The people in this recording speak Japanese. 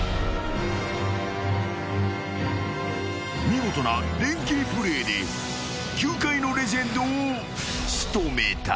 ［見事な連係プレーで球界のレジェンドを仕留めた］